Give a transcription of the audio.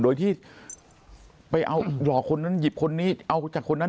โดยที่ไปเอาหลอกคนนั้นหยิบคนนี้เอาจากคนนั้น